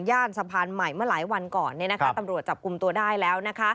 สะพานใหม่เมื่อหลายวันก่อนตำรวจจับกลุ่มตัวได้แล้ว